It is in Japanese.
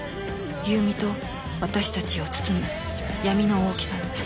優美と私たちを包む闇の大きさに